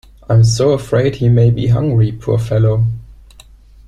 I'm so afraid he may be hungry, poor fellow.